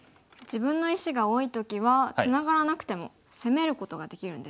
自分の石が多い時はツナがらなくても攻めることができるんですね。